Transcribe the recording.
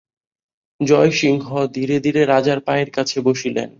জয়সিংহ ধীরে ধীরে রাজার পায়ের কাছে বসিলেন।